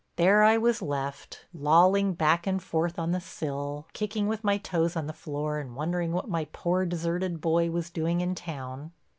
There I was left, lolling back and forth on the sill, kicking with my toes on the floor, and wondering what my poor, deserted boy was doing in town.